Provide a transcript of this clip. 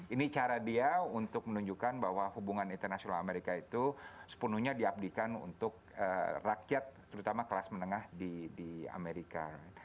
ini cara dia untuk menunjukkan bahwa hubungan internasional amerika itu sepenuhnya diabdikan untuk rakyat terutama kelas menengah di amerika